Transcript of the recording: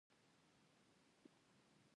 دا مونږ په کومه زمانه کښې اوسو